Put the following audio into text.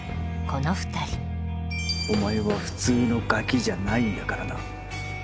お前は普通のガキじゃないんだからな。